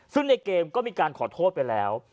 ซึ่งในเกมก็มีการขอโทษไปแล้ว